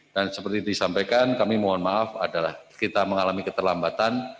dan seperti disampaikan kami mohon maaf adalah kita mengalami keterlambatan